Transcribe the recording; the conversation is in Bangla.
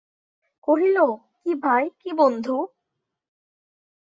কহিল, কী ভাই, কী বন্ধু!